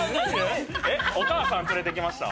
えっお母さん連れてきました？